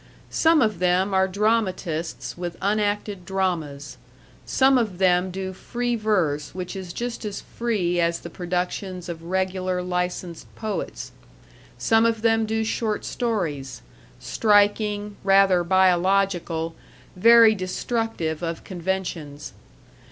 Some of them are dramatists with unacted dramas; some of them do free verse which is just as free as the productions of regular licensed poets. Some of them do short stories striking, rather biological, very destructive of conventions.